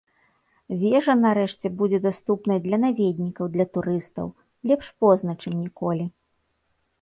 Вежа нарэшце будзе даступнай для наведнікаў, для турыстаў, лепш позна, чым ніколі.